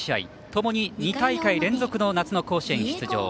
ともに２大会連続の夏の甲子園出場